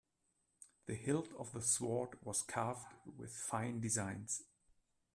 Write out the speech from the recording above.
The hilt of the sword was carved with fine designs.